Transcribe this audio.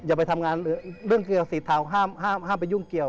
อย่าไปทำงานเรื่องเกี่ยวกับสิทธิ์ทางห้ามไปยุ่งเกี่ยว